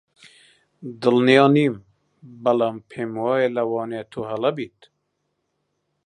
دڵنیا نیم، بەڵام پێم وایە لەوانەیە تۆ هەڵە بیت.